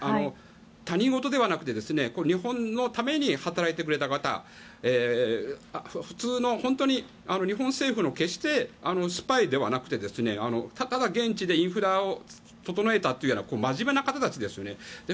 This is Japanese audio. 他人事ではなくて日本のために働いてくれた方普通の本当に日本政府の決してスパイではなくてただ現地でインフラを整えたという真面目な方たちです。